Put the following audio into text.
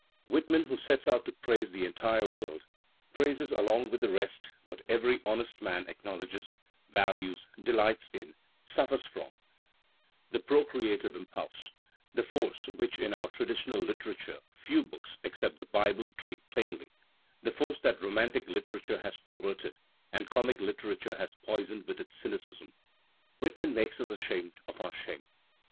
Whitman, who sets out to praise the entire world, praises along with the rest what every honest man acknowledges, values, deUghts in, suffers from, the procrea tive impulse, the force which in our traditional literature few books except the Bible treat plainly, the force that *, romantic literature has perverted and comic literature has ; poisoned with its cynicism. Whitman makes us ashamed ; of our shame.